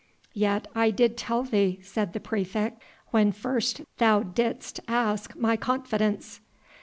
"Yet I did tell thee," said the praefect, "when first thou didst ask my confidence."